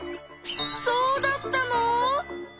そうだったの？